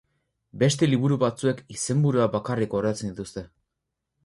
Beste liburu batzuek izenburuak bakarrik gordetzen dituzte.